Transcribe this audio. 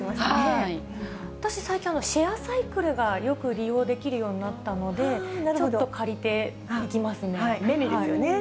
私、最近、シェアサイクルがよく利用できるようになったので、ちょっと借り便利ですね。